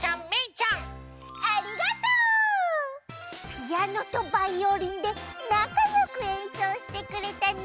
ピアノとバイオリンでなかよくえんそうしてくれたね！